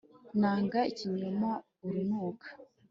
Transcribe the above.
nanga ikinyoma urunuka